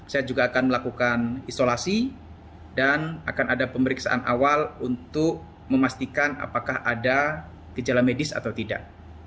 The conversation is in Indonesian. saya juga akan melakukan isolasi dan akan ada pemeriksaan awal untuk memastikan apakah ada gejala medis atau tidak